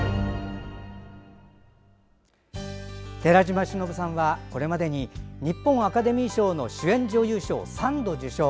寺島しのぶさんはこれまでに日本アカデミー賞の主演女優賞を３度受賞。